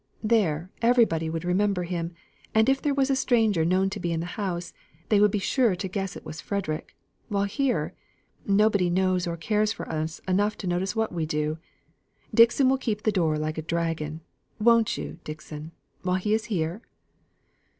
There, everybody would remember him; and if there was a stranger known to be in the house, they would be sure to guess it was Frederick; while here, nobody knows or cares for us enough to notice what we do. Dixon will keep the door like a dragon won't you, Dixon while he is here?"